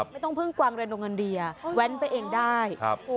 ไม่ต้องพึ่งกวางเรียนโรงงานดีแว่นไปเองได้